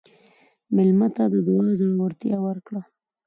مېلمه ته د دعا زړورتیا ورکړه.